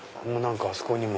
あそこにも。